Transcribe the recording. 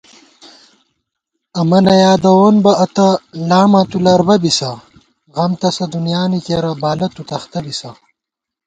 امہ نہ یادَوون بہ اتہ ، لاماں تُو لربہ بِسہ * غم تسہ دُنیانی کېرہ بالہ تُو تختہ بِسہ